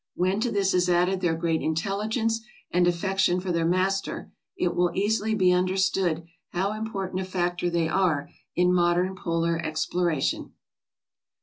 When to this is added their great intelligence and affection for their master, it will easily be understood how important a factor they are in modern polar exploration."